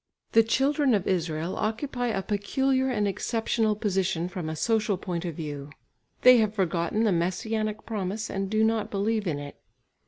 The children of Israel occupy a peculiar and exceptional position from a social point of view. They have forgotten the Messianic promise and do not believe in it.